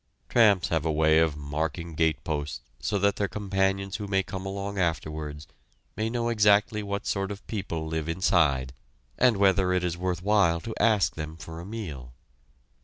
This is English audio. Tramps have a way of marking gateposts so that their companions who may come along afterwards may know exactly what sort of people live inside, and whether it is worth while to ask them for a meal.